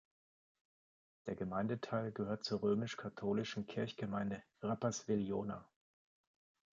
Der Gemeindeteil gehört zur römisch-katholischen Kirchgemeinde Rapperswil-Jona.